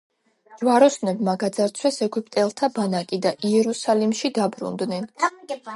ჯვაროსნებმა გაძარცვეს ეგვიპტელთა ბანაკი და იერუსალიმში დაბრუნდნენ.